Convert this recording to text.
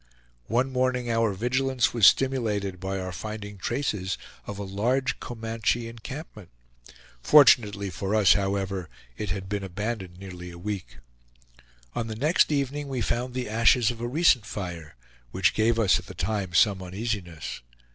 One morning our vigilance was stimulated by our finding traces of a large Comanche encampment. Fortunately for us, however, it had been abandoned nearly a week. On the next evening we found the ashes of a recent fire, which gave us at the time some uneasiness.